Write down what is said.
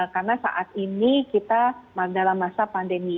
karena saat ini kita dalam masa pandemi